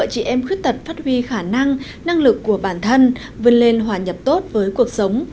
chị em khuyết tật phát huy khả năng năng lực của bản thân vươn lên hòa nhập tốt với cuộc sống